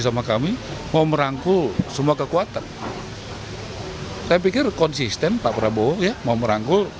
sama kami mau merangkul semua kekuatan saya pikir konsisten pak prabowo ya mau merangkul